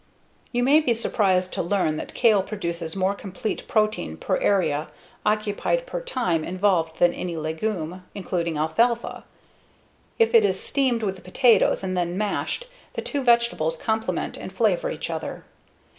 You may be surprised to learn that kale produces more complete protein per area occupied per time involved than any legume, including alfalfa. If it is steamed with potatoes and then mashed, the two vegetables complement and flavor each other.